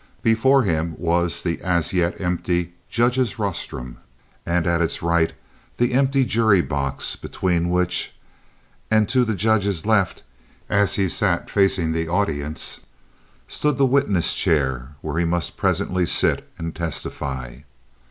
Before him was the as yet empty judge's rostrum, and at its right the empty jury box, between which, and to the judge's left, as he sat facing the audience, stood the witness chair where he must presently sit and testify.